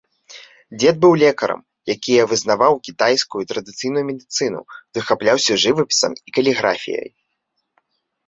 Дзед быў лекарам, якія вызнаваў кітайскую традыцыйную медыцыну, захапляўся жывапісам і каліграфіяй.